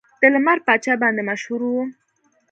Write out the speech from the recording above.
د لمر پاچا باندې مشهور و.